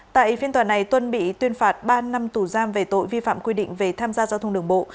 tại phiên tòa này tuân bị tuyên phạt ba năm tù giam về tội vi phạm quy định về tham gia giao thông đường bộ